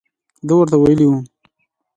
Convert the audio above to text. ده ورته ویلي وو.